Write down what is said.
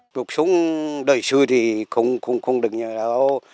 cuộc sống đời xưa thì không được nhiều đâu